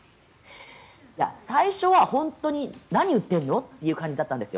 最初は本当に何言ってるの？という感じだったんです。